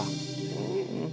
うん。